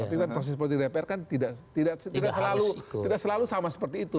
tapi kan proses politik dpr kan tidak selalu sama seperti itu